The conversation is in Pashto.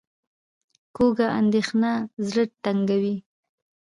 کوږه اندېښنه زړه تنګوي